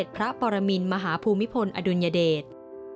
พระปรมินมหาภูมิพลอดุลยเดช